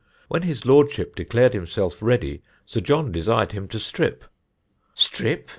When His Lordship declared himself ready, Sir John desired him to strip. 'Strip!'